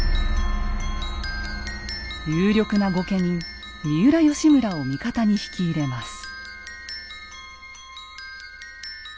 有力な御家人三浦義村を味方に引き入れます。